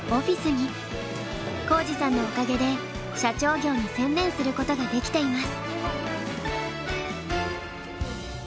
皓史さんのおかげで社長業に専念することができています。